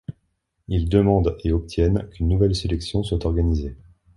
Ils demandent et obtiennent qu'une nouvelle sélection soit organisée.